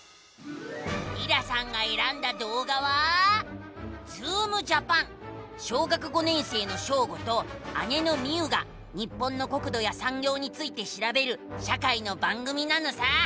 りらさんがえらんだどうがは小学５年生のショーゴと姉のミウが日本の国土やさんぎょうについてしらべる社会の番組なのさ！